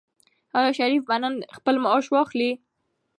آیا شریف به نن خپل معاش واخلي؟